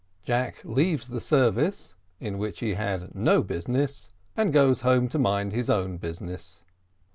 JACK LEAVES THE SERVICE, IN WHICH HE HAD NO BUSINESS, AND GOES HOME TO MIND HIS OWN BUSINESS.